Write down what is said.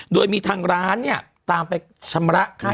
โดยมีทางร้านเนี่ยตามไปชำระค่า